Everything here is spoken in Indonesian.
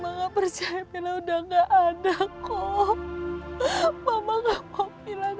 abang dahparti pernah keluar dari rumah gua ga sampai lagi